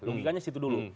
lungikannya situ dulu